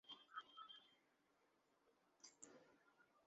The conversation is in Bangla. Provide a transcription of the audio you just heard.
এখন পরীর সাথে কীভাবে লড়াই করবো আমি, শামা?